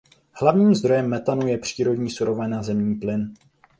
Hlavním zdrojem methanu je přírodní surovina zemní plyn.